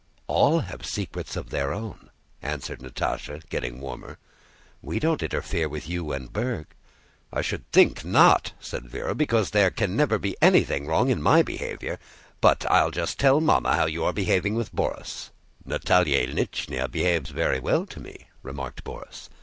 "All have secrets of their own," answered Natásha, getting warmer. "We don't interfere with you and Berg." "I should think not," said Véra, "because there can never be anything wrong in my behavior. But I'll just tell Mamma how you are behaving with Borís." "Natálya Ilyníchna behaves very well to me," remarked Borís.